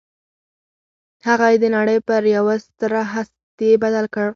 هغه يې د نړۍ پر يوه ستره هستي بدل کړ.